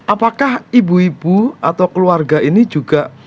apakah ibu ibu atau keluarga ini juga